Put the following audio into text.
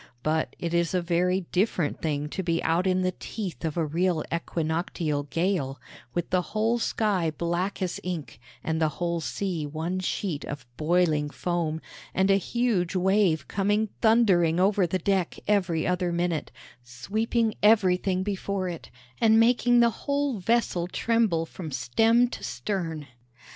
But it is a very different thing to be out in the teeth of a real equinoctial gale, with the whole sky black as ink, and the whole sea one sheet of boiling foam, and a huge wave coming thundering over the deck every other minute, sweeping everything before it, and making the whole vessel tremble from stem to stern.